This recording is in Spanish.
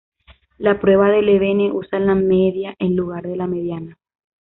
La prueba de Levene usa la media en lugar de la mediana.